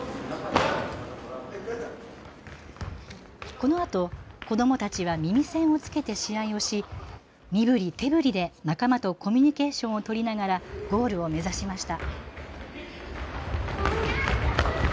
このあと子どもたちは耳栓をつけて試合をし身ぶり手ぶりで仲間とコミュニケーションを取りながらゴールを目指しました。